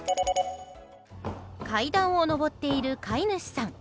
階段を上っている飼い主さん。